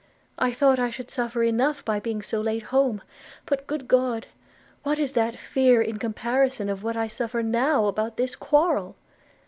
I thought I should suffer enough by being so late home; but, good God! what is that fear in comparison of what I suffer now about this quarrel?'